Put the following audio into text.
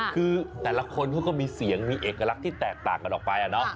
คือแต่ละคนเขาก็มีเสียงมีเอกลักษณ์ที่แตกต่างกันออกไป